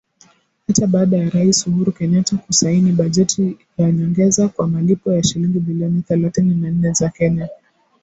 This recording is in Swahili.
Hata baada ya Rais Uhuru Kenyatta kusaini bajeti ya nyongeza kwa malipo ya shilingi bilioni thelathini na nne za Kenya.